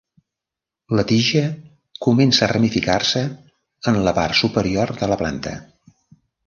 La tija comença a ramificar-se en la part superior de la planta.